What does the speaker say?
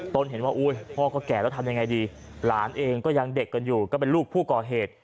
ตนเห็นว่าอุ้ยพ่อก็แก่แล้วทำยังไงดีหลานเองก็ยังเด็กกันอยู่ก็เป็นลูกผู้ก่อเหตุ